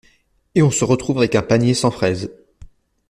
Et on se retrouve avec un panier sans fraise.